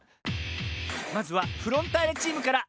まずはフロンターレチームから。